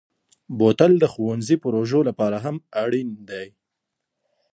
بوتل د ښوونځي پروژو لپاره هم اړین دی.